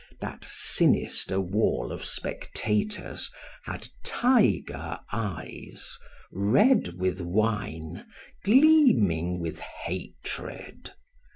That sinister wall of spectators had tiger eyes, red with wine, gleaming with hatred.